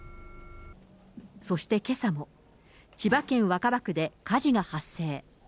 そしてけさも、千葉県若葉区で火事が発生。